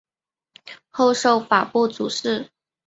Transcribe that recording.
后授法部主事。